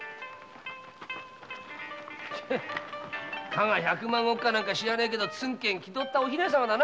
加賀百万石だか知らないけどツンケン気取ったお姫様だな。